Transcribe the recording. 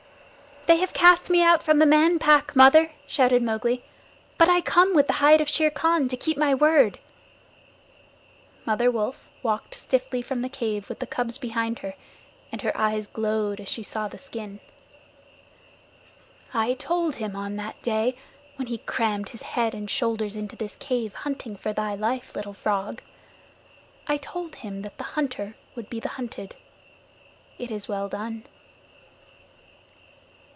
"They have cast me out from the Man Pack, Mother," shouted Mowgli, "but I come with the hide of Shere Khan to keep my word." Mother Wolf walked stiffly from the cave with the cubs behind her, and her eyes glowed as she saw the skin. "I told him on that day, when he crammed his head and shoulders into this cave, hunting for thy life, Little Frog I told him that the hunter would be the hunted. It is well done."